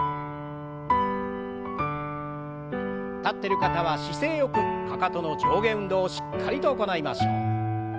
立ってる方は姿勢よくかかとの上下運動をしっかりと行いましょう。